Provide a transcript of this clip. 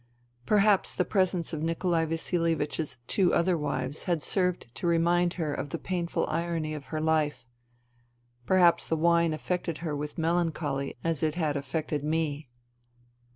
Perhaps the presence of Nikolai Vasilievich's two other wives had served to remind her of the painful irony of her life ; perhaps the wine affected her with melancholy as it had affected me.